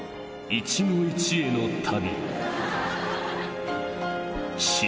一期一会の旅